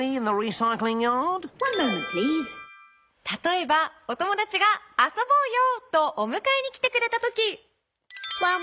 たとえばおともだちが「遊ぼうよ」とおむかえに来てくれたとき。